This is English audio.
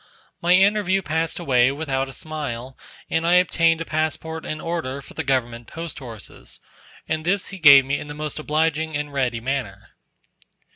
My interview passed away, without a smile, and I obtained a passport and order for the government post horses, and this he gave me in the most obliging and ready manner.